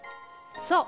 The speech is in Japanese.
そう。